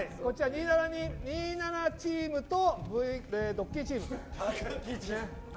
「２７」チームと「ドッキリ」チームね。